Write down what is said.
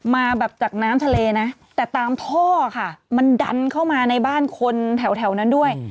มาแบบจากน้ำทะเลนะแต่ตามท่อค่ะมันดันเข้ามาในบ้านคนแถวนั้นด้วย